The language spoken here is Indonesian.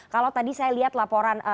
kalau tadi saya lihat laporan